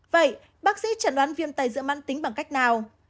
vậy bác sĩ chẳng đoán viêm tay giữa mạng tính bằng cách nào